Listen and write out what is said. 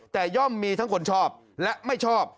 แต่ย่อมมีทั้งคนชอบและไม่ชอบ